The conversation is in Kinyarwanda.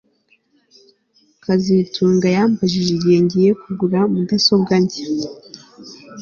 kazitunga yambajije igihe ngiye kugura mudasobwa nshya